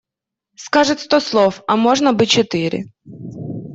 Скажет сто слов, а можно бы четыре.